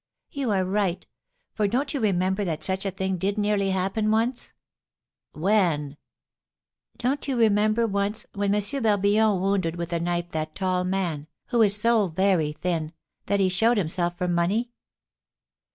"You are right; for don't you remember that such a thing did nearly happen once?" "When?" "Don't you remember once when M. Barbillon wounded with a knife that tall man, who is so very thin, that he showed himself for money?"